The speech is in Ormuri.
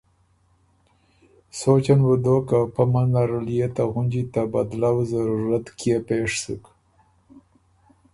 سوچن بُو دوک که پۀ منځ نرل يې ته غُنجی ته بدلؤ ضرورت کيې پېش سُک؟